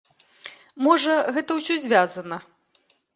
Можа, гэта ўсё звязана.